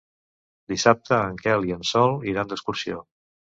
Dissabte en Quel i en Sol iran d'excursió.